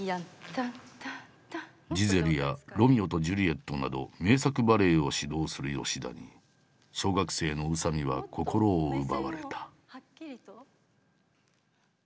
「ジゼル」や「ロミオとジュリエット」など名作バレエを指導する吉田に小学生の宇佐見は心を奪われた。